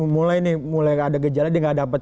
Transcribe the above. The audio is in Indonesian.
mulai nih mulai ada gejala dia nggak dapat